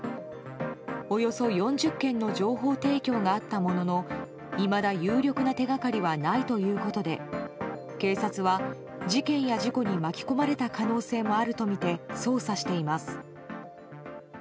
およそ４０件の情報提供があったもののいまだ有力な手掛かりはないということで警察は事件や事故に巻き込まれた可能性もあるとみて捜査しています。